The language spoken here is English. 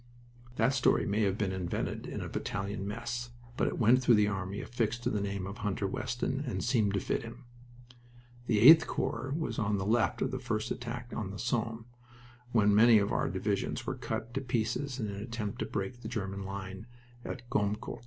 That story may have been invented in a battalion mess, but it went through the army affixed to the name of Hunter Weston, and seemed to fit him. The 8th Corps was on the left in the first attack on the Somme, when many of our divisions were cut to pieces in the attempt to break the German line at Gommecourt.